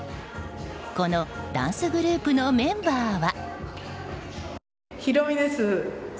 このダンスグループのメンバーは。